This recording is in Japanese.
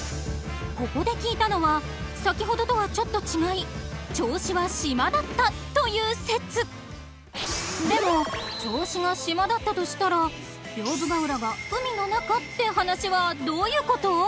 ここで聞いたのは先ほどとはちょっと違いという説でも銚子が島だったとしたら屏風ヶ浦は海の中って話はどういうこと？